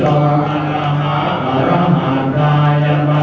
สุดท้ายเท่าไหร่สุดท้ายเท่าไหร่